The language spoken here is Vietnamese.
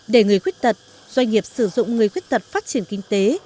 để người khuyết tật doanh nghiệp sử dụng người khuyết tật phát triển kinh tế